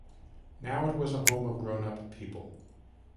Now it was a home of grown-up people.